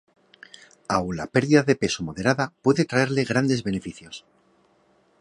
Aun la pérdida de peso moderada puede traerle grandes beneficios